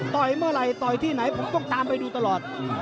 เมื่อไหร่ต่อยที่ไหนผมต้องตามไปดูตลอด